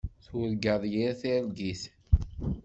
Turgaḍ yir targit.